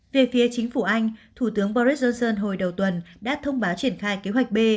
về phía chính phủ anh thủ tướng boris johnson hồi đầu tuần đã thông báo triển khai kế hoạch b